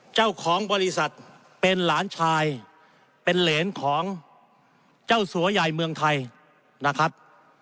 เจ้าของบริษัทเป็นหลานชายเป็นเหรนของเจ้าสัวใหญ่เมืองไทยนะครับ